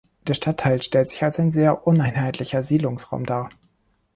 Der Stadtteil stellt sich als ein sehr uneinheitlicher Siedlungsraum dar.